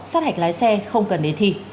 sát hạch lái xe không cần đến thi